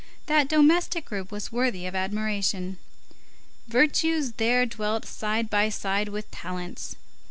That domestic group was worthy of admiration. Virtues there dwelt side by side with talents.